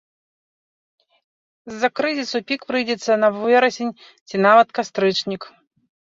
З-за крызісу пік прыйдзецца на верасень ці нават кастрычнік.